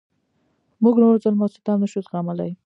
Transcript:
موږ نور ظلم او ستم نشو زغملای.